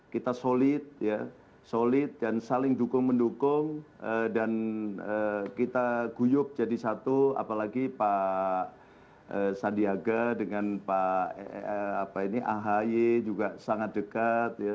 kita solid solid dan saling dukung mendukung dan kita guyup jadi satu apalagi pak sandiaga dengan pak ahaye juga sangat dekat